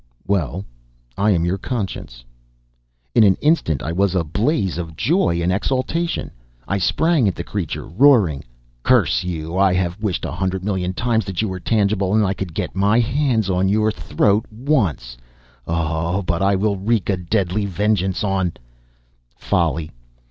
"Well, I am your Conscience!" In an instant I was in a blaze of joy and exultation. I sprang at the creature, roaring: "Curse you, I have wished a hundred million times that you were tangible, and that I could get my hands on your throat once! Oh, but I will wreak a deadly vengeance on " Folly!